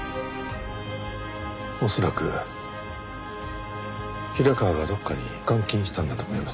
恐らく平川がどこかに監禁したんだと思います。